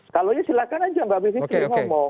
kalau ya silahkan aja mbak bivitri ngomong